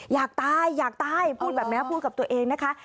อยากตายอยากตายพูดแบบนี้พูดกับตัวเองนะคะ